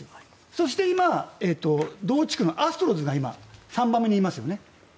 そして今、同地区のアストロズが３番目にいますよね。